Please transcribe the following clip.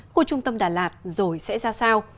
khu trung tâm đà lạt rồi sẽ ra sao